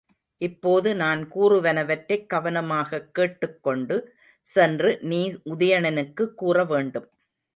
இப்போது நான் கூறுவனவற்றைக் கவனமாகக் கேட்டுக் கொண்டு சென்று நீ உதயணனுக்குக் கூற வேண்டும்.